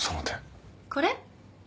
これ？